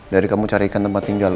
dari kamu carikan tempat tinggal